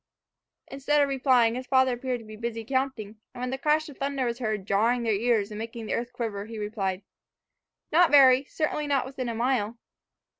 Instead of replying, his father appeared to be busy counting; and when the crash of thunder was heard, jarring their ears, and making the earth quiver, he replied, "Not very. Certainly not within a mile."